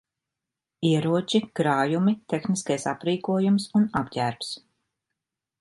Ieroči, krājumi, tehniskais aprīkojums un apģērbs.